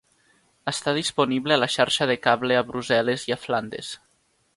Està disponible a la xarxa de cable a Brussel·les i a Flandes.